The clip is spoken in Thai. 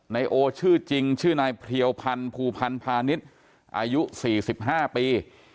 นายโอชื่อจริงชื่อนายเพรียวพันธ์ภูพันธ์พาณิชย์อายุ๔๕ปี